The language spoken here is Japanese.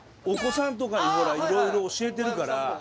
お子さんとかにほら色々教えてるから。